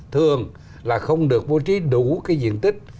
thường là không được bố trí đủ cái diện tích